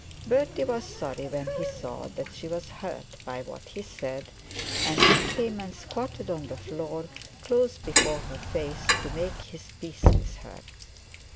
Bertie was sorry when he saw that she was hurt by what he said, and he came and squatted on the floor close before her face to make his peace with her.